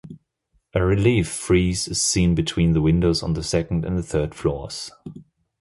A relief frieze is seen between the windows on the second and third floors.